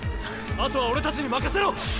あとは俺たちに任せろ！